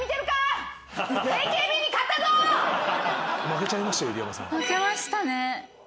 負けましたね。